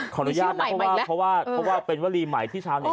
ขออนุญาตนะเพราะว่าเป็นวลีใหม่ที่ชาวนี้